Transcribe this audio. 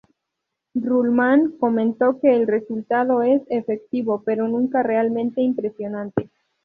Ruhlmann comentó que el resultado es "efectivo pero nunca realmente impresionante".